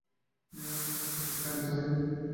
যেখানে থাকে তাহাদের খুঁজিয়া আনিতে হইবে!